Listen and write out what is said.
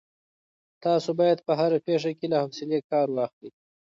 تاسو باید په هره پېښه کي له حوصلې کار واخلئ.